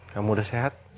kamu udah sehat